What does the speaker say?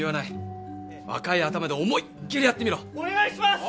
お願いします！